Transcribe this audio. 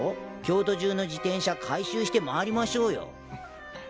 京都中の自転車回収して回りましょうよ。